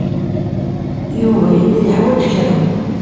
Yuba yella yeḥwaj kra.